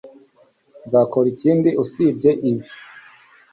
Nzakora ikindi usibye ibi